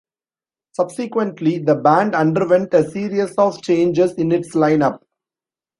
Subsequently, the band underwent a series of changes in its line-up.